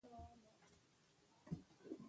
چې د دیپورت د قانون له کړۍ نه خلاص وو.